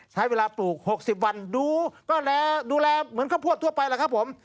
ใช้เวลาปลูก๖๐วันดูแลเหมือนข้าวโพสต์ทั่วไปนะครับผม